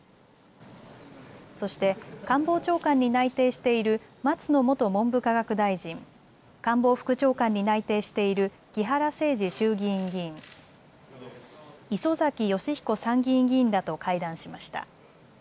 そして、官房長官に内定している松野元文部科学大臣、官房副長官に内定している木原誠二衆議院議員、磯崎仁彦参議院議員らと会談しました。